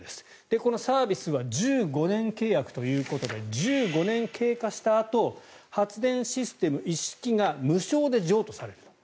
このサービスは１５年契約ということで１５年経過したあと発電システム一式が無償で譲渡される。